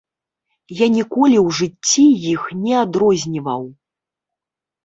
Я ніколі ў жыцці іх не адрозніваў.